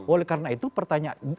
oleh karena itu pertanyaan